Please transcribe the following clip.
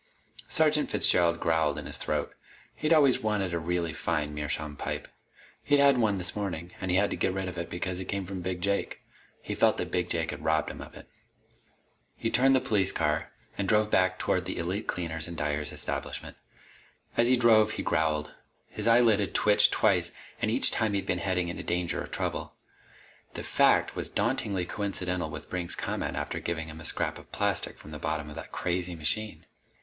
Sergeant Fitzgerald growled in his throat. He'd always wanted a really fine meerschaum pipe. He'd had one this morning, and he'd had to get rid of it because it came from Big Jake. He felt that Big Jake had robbed him of it. He turned the police car and drove back toward the Elite Cleaners and Dyers establishment. As he drove, he growled. His eyelid had twitched twice, and each time he'd been heading into danger or trouble. The fact was dauntingly coincidental with Brink's comment after giving him a scrap of plastic from the bottom of that crazy machine.